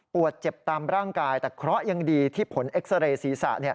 เจ็บตามร่างกายแต่เคราะห์ยังดีที่ผลเอ็กซาเรย์ศีรษะ